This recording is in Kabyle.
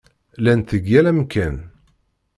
Llant deg yal amkan.